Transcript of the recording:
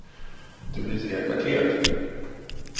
Ды мезеяк а теят.